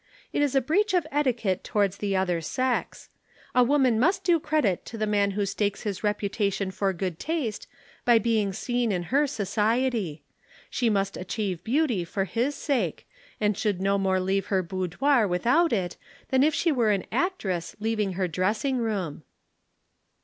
It is a breach of etiquette towards the other sex. A woman must do credit to the man who stakes his reputation for good taste by being seen in her society. She must achieve beauty for his sake, and should no more leave her boudoir without it than if she were an actress leaving her dressing room."